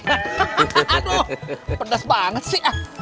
aduh pedas banget sih